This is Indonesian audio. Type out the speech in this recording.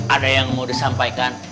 ada yang mau disampaikan